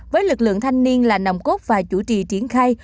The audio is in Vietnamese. với lực lượng thanh niên là nồng cốt và chủ trì triển khai